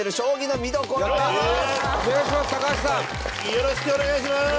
よろしくお願いします。